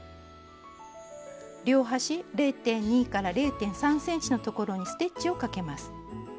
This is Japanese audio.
両端０．２０．３ｃｍのところにステッチをかけます。